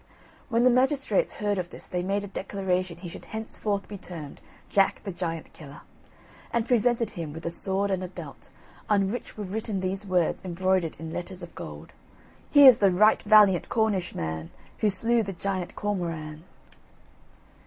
When the magistrates heard of this they made a declaration he should henceforth be termed JACK THE GIANT KILLER and presented him with a sword and a belt, on which were written these words embroidered in letters of gold: "Here's the right valiant Cornish man, Who slew the giant Cormoran."